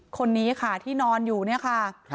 คนนี้ค่ะที่นอนอยู่เนี่ยค่ะ